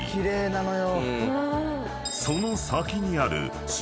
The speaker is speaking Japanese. ［その先にある］